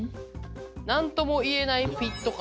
何ともいえないフィット感。